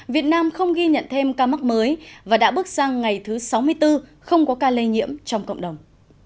việt nam không ghi nhận thêm ca mắc mới và đã bước sang ngày thứ sáu mươi bốn không có ca lây nhiễm trong cộng đồng